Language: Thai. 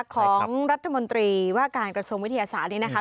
ของรัฐมนตรีว่าการกระทรวงวิทยาศาสตร์นี้นะคะ